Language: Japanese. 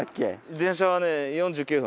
電車はね４９分。